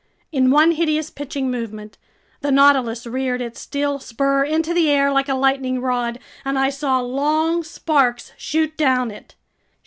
In one hideous pitching movement, the Nautilus reared its steel spur into the air like a lightning rod, and I saw long sparks shoot down it.